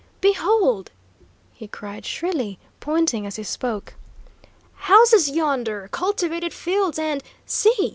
"Behold!" he cried, shrilly, pointing as he spoke. "Houses yonder! Cultivated fields, and see!